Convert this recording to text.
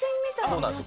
そうなんです。